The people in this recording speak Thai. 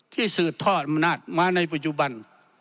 ที่สืดทอดมนตร์มาในปัจจุบัน